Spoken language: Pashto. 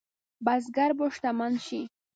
بزګر به شتمن شي؟